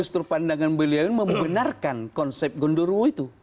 justru pandangan beliau ini membenarkan konsep gondorowo itu